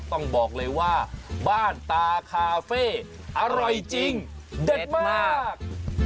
ต้องบอกเลยว่าบ้านตาคาเฟ่อร่อยจริงเด็ดมาก